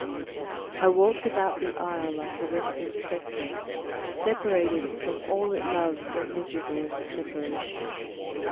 I walked about the isle like a restless spectre, separated from all it loved and miserable in the separation.